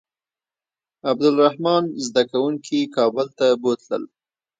عبدالرحمن زده کوونکي کابل ته بوتلل.